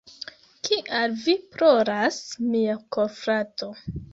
Kial vi ploras, mia korfrato?